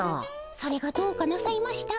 それがどうかなさいましたか？